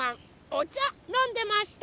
おちゃのんでました。